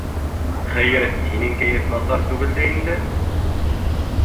Хәйер, һинең кәйеф насар түгел дә инде?